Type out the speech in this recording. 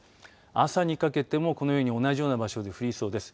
朝にかけても、このように同じような場所で降りそうです。